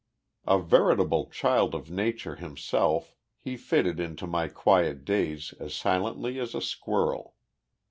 A veritable child of Nature himself, he fitted into my quiet days as silently as a squirrel.